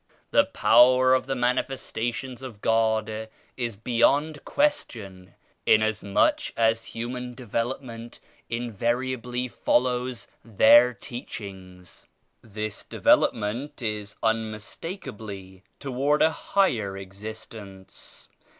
The Power of the Manifestations of God is beyond question inasmuch as human de velopment invariably follows their Teachings. This development is unmistakably toward a higher existence.